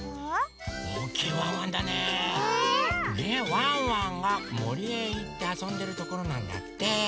ワンワンがもりへいってあそんでるところなんだって。